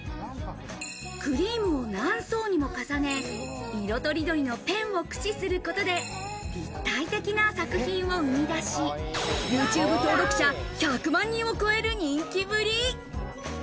クリームを何層にも重ね、色とりどりのペンを駆使することで、立体的な作品を生み出し、ＹｏｕＴｕｂｅ登録者１００万人を超える人気ぶり。